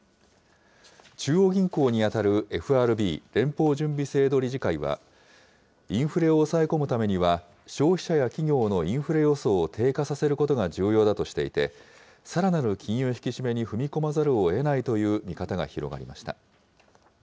中央銀行に当たるＦＲＢ・連邦準備制度理事会は、インフレを抑え込むためには、消費者や企業のインフレ予想を低下させることが重要だとしていて、さらなる金融引き締めに踏み込まざるをえないという見方が広がりました。